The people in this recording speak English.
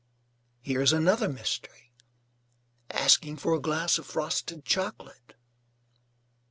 Here is another mystery asking for a glass of frosted chocolate.